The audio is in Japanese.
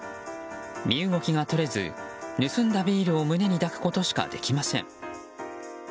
身動きがとれず、盗んだビールを胸に抱くことしかできません。